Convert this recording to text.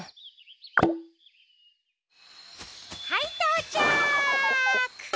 はいとうちゃく！